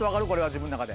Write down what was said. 自分の中で。